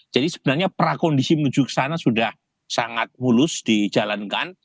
jadi sebenarnya prakondisi menuju ke sana sudah sangat mulus dijalankan